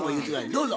どうぞ。